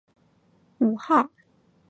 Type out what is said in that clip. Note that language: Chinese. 五号旗常用作一般不挂在立地旗杆上。